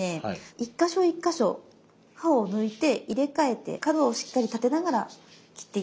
一か所一か所刃を抜いて入れ替えて角をしっかり立てながら切っていって下さい。